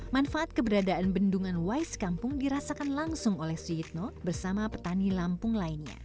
manfaat keberadaan bendungan wais kampung dirasakan langsung oleh suyitno bersama petani lampung lainnya